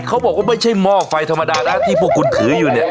เขาบอกว่าไม่ใช่หม้อไฟธรรมดานะที่พวกคุณถืออยู่เนี่ย